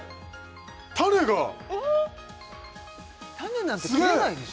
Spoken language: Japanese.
種が種なんて切れないでしょ？